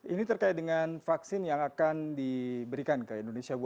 ini terkait dengan vaksin yang akan diberikan ke indonesia bu